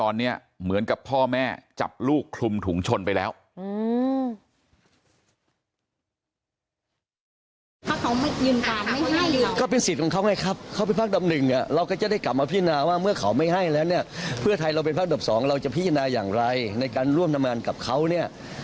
เราก็จะได้กลับมาพิจารณาว่าเมื่อเขาไม่ให้แล้วเนี่ยเพื่อไทยเราเป็นพระดร๒เราจะพิจารณาอย่างไรในการร่วมทำงานกับเขาเนี่ย